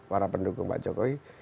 para pendukung pak jokowi